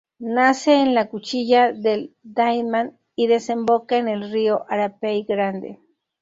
Nace en la Cuchilla del Daymán y desemboca en el río Arapey Grande.